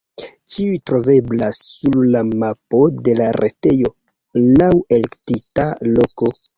Ĉiuj troveblas sur la mapo de la retejo laŭ elektita loko.